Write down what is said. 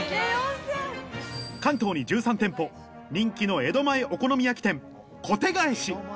関東に１３店舗人気の江戸前お好み焼き店